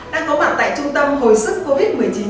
đang có mặt tại trung tâm hồi sức covid một mươi chín